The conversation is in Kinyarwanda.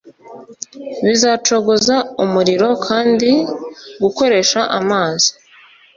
bizacogoza umuriro, kandi gukoresha amazi